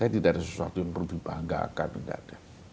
saya tidak ada sesuatu yang berubah nggak akan nggak ada